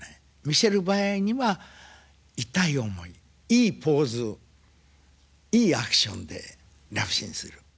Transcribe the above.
見せる場合には痛い思いいいポーズいいアクションでラブシーンする。